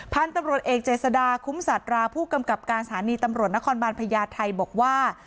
พันธุ์ตำรวจเอกเจษดาคุ้มศัตราผู้กำกับการสถานีตำรวจนครบาลพญาไทยบอกว่า